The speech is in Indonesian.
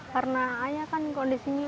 karena ayah kan kondisinya